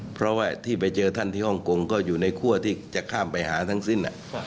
เพราะว่าที่ไปเจอท่านที่ฮ่องกงก็อยู่ในคั่วที่จะข้ามไปหาทั้งสิ้น